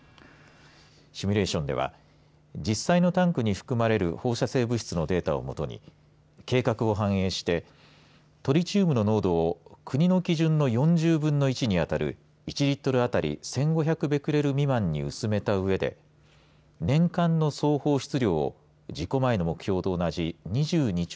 シミュレーションでは実際のタンクに含まれる放射性物質のデータをもとに計画を反映してトリチウムの濃度を国の基準の４０分の１に当たる１リットル当たり１５００ベクレル未満に薄めたうえで年間の総放出量を事故前の目標と同じ２２兆